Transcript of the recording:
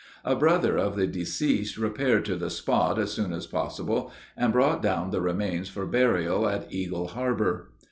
A brother of the deceased repaired to the spot as soon as possible and brought down the remains for burial at Eagle harbor.